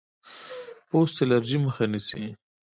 پوست الرجي مخه نیسي.